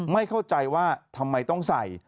ไม่เข้าใจว่าทำไมต้องใส่